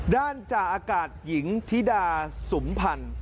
จ่าอากาศหญิงธิดาสุมพันธ์